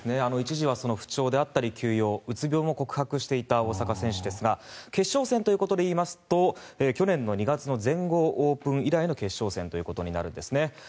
一時は不調であったり休養、うつ病も告白していた大坂選手ですが決勝戦ということでいいますと去年の２月の全豪オープン以来の決勝戦となるんですね。